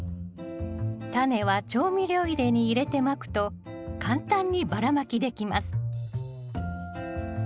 タネは調味料入れに入れてまくと簡単にばらまきできます